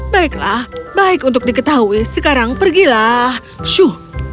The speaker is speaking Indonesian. baiklah baik untuk diketahui sekarang pergilah syu